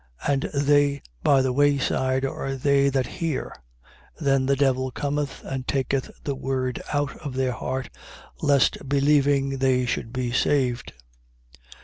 8:12. And they by the way side are they that hear: then the devil cometh and taketh the word out of their heart, lest believing they should be saved.